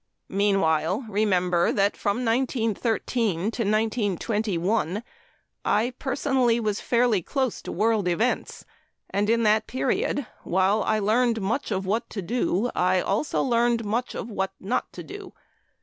Meanwhile, remember that from 1913 to 1921, I personally was fairly close to world events, and in that period, while I learned much of what to do, I also learned much of what not to do.